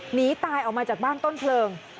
หนีตายออกมาจากบ้านต้นเพลิง